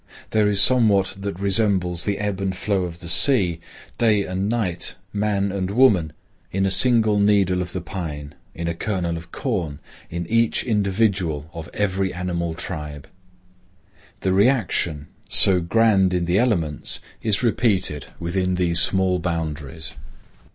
There is somewhat that resembles the ebb and flow of the sea, day and night, man and woman, in a single needle of the pine, in a kernel of corn, in each individual of every animal tribe. The reaction, so grand in the elements, is repeated within these small boundaries.